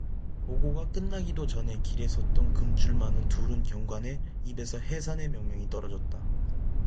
보고가 끝나기도 전에 길에 섰던 금줄 많이 두른 경관의 입에서 해산의 명령이 떨어졌다.